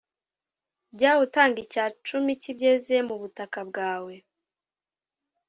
jya utanga icya cumi cy’ibyeze mu butaka bwawe